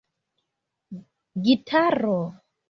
gitaro